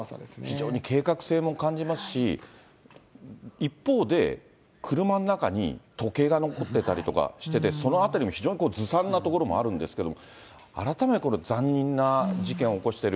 非常に計画性も感じますし、一方で、車の中に時計が残ってたりとかしてて、そのあたりも非常にずさんなところもあるんですけど。